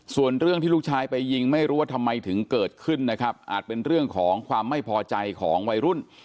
ส่วนเรื่องที่ลูกชายไปยิงไม่รู้ว่าทำไมถึงเกิดขึ้นนะครับอาจเป็นเรื่องของความไม่พอใจของวัยรุ่น